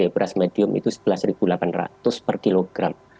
beras medium itu rp sebelas delapan ratus per kilogram